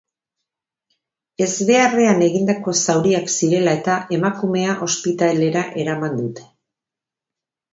Ezbeharrean egindako zauriak zirela eta emakumea ospitalera eraman dute.